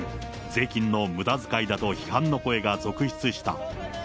税金のむだ遣いだと批判の声が続出した。